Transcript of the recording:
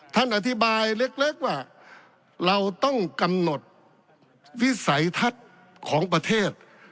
ท่านอธิบายเล็กว่าเราต้องกำหนดวิสัยทัศน์ของประเทศ